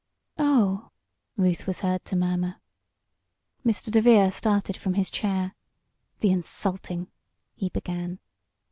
"Oh!" Ruth was heard to murmur. Mr. DeVere started from his chair. "The insulting " he began.